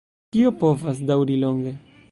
Tio povas daŭri longe.